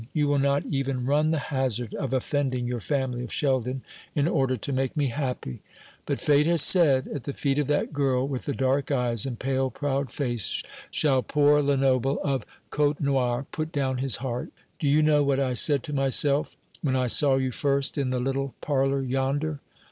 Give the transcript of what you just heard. You will not even run the hazard of offending your family of Sheldon in order to make me happy. But Fate has said, 'At the feet of that girl with the dark eyes and pale proud face shall poor Lenoble of Côtenoir put down his heart.' Do you know what I said to myself when I saw you first in the little parlour yonder?